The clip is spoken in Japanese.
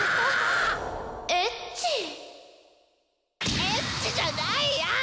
エッチじゃないやい！